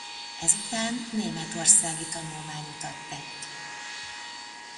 Ezután németországi tanulmányutat tett.